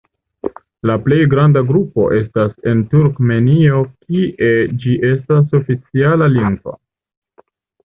La plej granda grupo estas en Turkmenio kie ĝi estas oficiala lingvo.